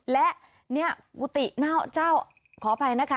และนี่กุฏิหน้าเจ้าขออภัยนะคะ